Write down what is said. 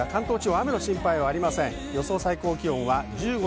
雨の心配はありません。